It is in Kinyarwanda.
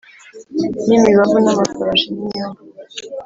n’imibavu n’amafarashi n’inyumbu